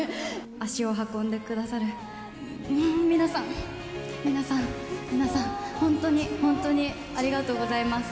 足を運んでくださる皆さん、皆さん、皆さん、本当に本当にありがとうございます。